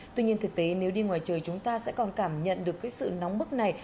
tuy nhiên thực tế nếu đi ngoài trời chúng ta sẽ còn cảm nhận được cái sự nóng bức này